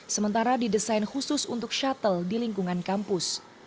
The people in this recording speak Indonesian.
sementara didesain khusus untuk shuttle di lingkungan kampus